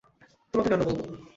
তোমাকে কেন বলব?